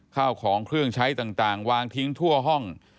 ข้าวของเครื่องใช้ต่างวางทิ้งทั่วห้อง